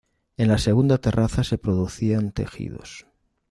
En la segunda terraza se producían tejidos.